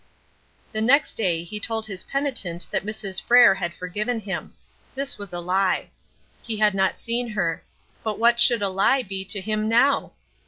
The next day he told his penitent that Mrs. Frere had forgiven him. This was a lie. He had not seen her; but what should a lie be to him now?